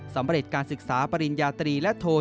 สำเร็จการศึกษาปริญญาตรีและโทน